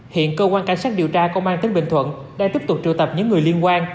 hiện công an cảnh sát điều tra công an tính bình thuận đã tiếp tục trụ tập những người liên quan